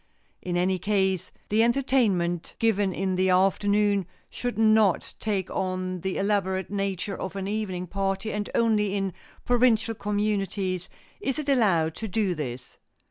In any case the entertainment given in the afternoon should not take on the elaborate nature of an evening party and only in provincial communities is it allowed to do this.